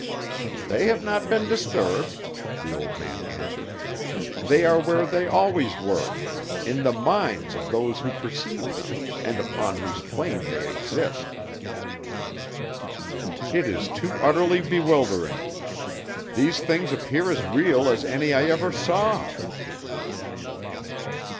"They have not been disturbed," the old man answered. "They are where they always were, in the minds of those who perceive them, and upon whose plane they exist." "It is too utterly bewildering. These things appear as real as any I ever saw."